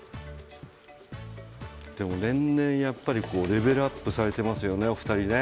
年々レベルアップされていますよね、お二人ね。